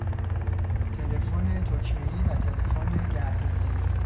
تلفن تکمهای و تلفن گردونهای